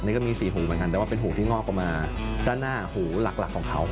นี่ก็มีสี่หูเหมือนกันแต่ว่าเป็นหูที่งอกออกมาด้านหน้าหูหลักของเขา